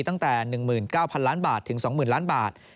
ตั้งแต่๑๙๐๐ล้านบาทถึง๒๐๐ล้านบาท